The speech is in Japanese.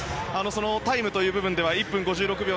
そのタイムという部分では１分５６秒７４。